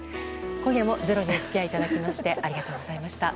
今夜も「ｚｅｒｏ」にお付き合いいただきましてありがとうございました。